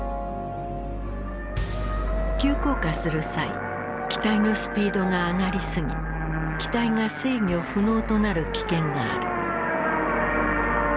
急降下する際機体のスピードが上がり過ぎ機体が制御不能となる危険がある。